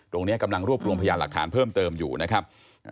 ตรงนี้กำลังรวบรวมพยานหลักฐานเพิ่มเติมอยู่นะครับ